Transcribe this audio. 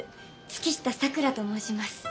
月下咲良と申します。